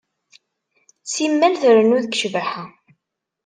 Simmal trennu deg ccbaḥa.